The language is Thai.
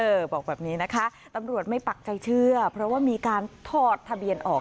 บอกแบบนี้นะคะตำรวจไม่ปักใจเชื่อเพราะว่ามีการถอดทะเบียนออก